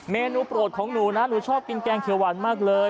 เมนูโปรดของหนูนะหนูชอบกินแกงเขียวหวานมากเลย